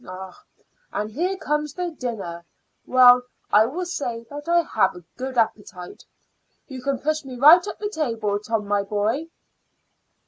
Ah! and here comes the dinner. Well, I will say that I have a good appetite. You can push me right up to the table, Tom, my boy."